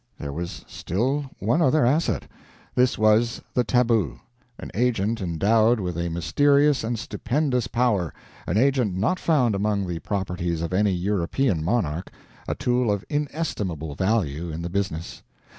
There was still one other asset. This was the tabu an agent endowed with a mysterious and stupendous power, an agent not found among the properties of any European monarch, a tool of inestimable value in the business.